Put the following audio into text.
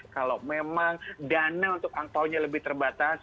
kalau memang dana untuk angpaonya lebih terbatas